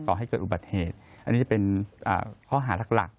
ก่อให้เกิดอุบัติเหตุอันนี้เป็นอ่าข้อหารักหลัก